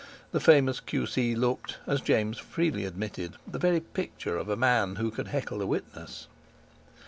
The famous Q.C. looked, as James freely admitted, the very picture of a man who could heckle a witness.